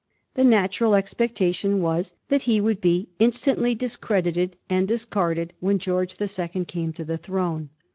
The natural expectation was that he would be instantly discredited and discarded when George the Second came to the throne.